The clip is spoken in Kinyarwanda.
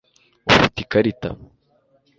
ufite ikarita